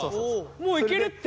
もういけるって。